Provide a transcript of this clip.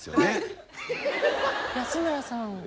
安村さん。